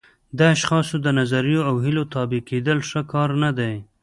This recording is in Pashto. د اشخاصو د نظریو او هیلو تابع کېدل ښه کار نه دی.